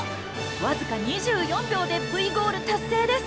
わずか２４秒でＶゴール達成です！